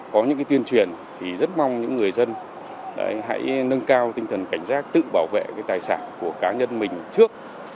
có những tuyên truyền thì rất mong những người dân hãy nâng cao tinh thần cảnh giác tự bảo vệ tài sản của cá nhân mình trước